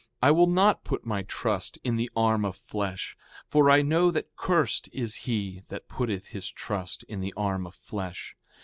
I will not put my trust in the arm of flesh; for I know that cursed is he that putteth his trust in the arm of flesh.